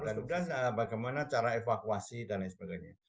kemudian bagaimana cara evakuasi dan lain sebagainya